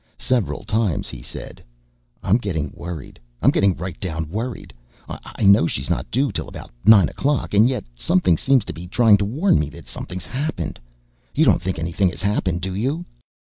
Several times he said: "I'm getting worried, I'm getting right down worried. I know she's not due till about nine o'clock, and yet something seems to be trying to warn me that something's happened. You don't think anything has happened, do you?"